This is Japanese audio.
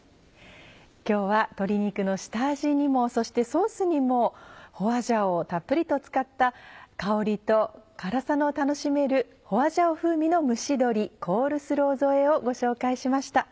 今日は鶏肉の下味にもそしてソースにも花椒をたっぷりと使った香りと辛さの楽しめる花椒風味の蒸し鶏コールスロー添えをご紹介しました。